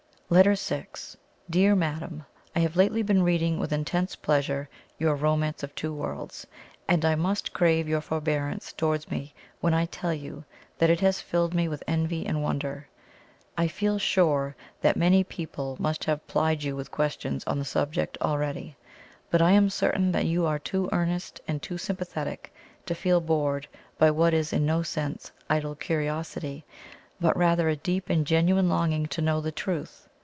] LETTER VI. "DEAR MADAM, "I have lately been reading with intense pleasure your 'Romance of Two Worlds,' and I must crave your forbearance towards me when I tell you that it has filled me with envy and wonder. I feel sure that many people must have plied you with questions on the subject already, but I am certain that you are too earnest and too sympathetic to feel bored by what is in no sense idle curiosity, but rather a deep and genuine longing to know the truth.